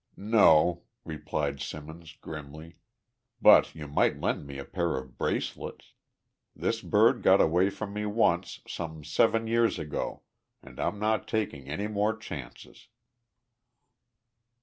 "No," replied Simmons, grimly, "but you might lend me a pair of bracelets. This bird got away from me once, some seven years ago, and I'm not taking any more chances!"